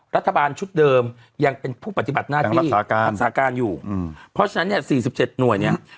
รัฐบาลชุดเดิมยังเป็นผู้ปฏิบัติหน้าที่รักษาการอยู่เพราะฉะนั้นเนี่ย๔๗หน่วยเนี่ย